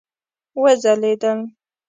وځلیدل